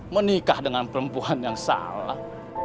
menikah dengan perempuan yang salah